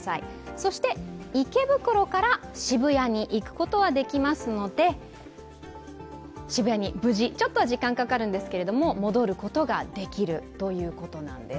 そして池袋から渋谷に行くことはできますので渋谷に無事、ちょっとは時間はかかりますけど戻ることができるということです。